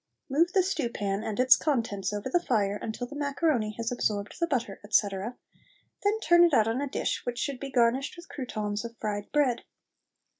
Move the stew pan and its contents over the fire until the macaroni has absorbed the butter, etc., then turn it out on a dish, which should be garnished with croutons of fried bread.